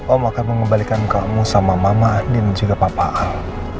om akan mengembalikan kamu sama mama nino dan juga papa om